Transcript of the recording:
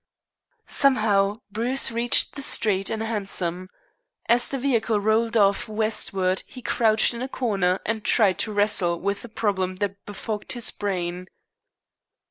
Somehow, Bruce reached the street and a hansom. As the vehicle rolled off westward he crouched in a corner and tried to wrestle with the problem that befogged his brain.